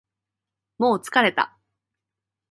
もう疲れた